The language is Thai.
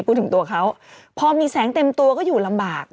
พูดถึงตัวเขาพอมีแสงเต็มตัวก็อยู่ลำบาก